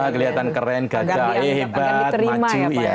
kelihatan keren ganda hebat maju